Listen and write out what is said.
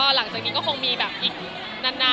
หลังจากนี้ก็คงมีแบบอีกนาน